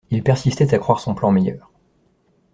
Il persistait à croire son plan meilleur.